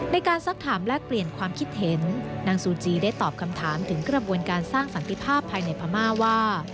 สักถามแลกเปลี่ยนความคิดเห็นนางซูจีได้ตอบคำถามถึงกระบวนการสร้างสันติภาพภายในพม่าว่า